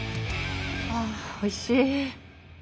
ああおいしい！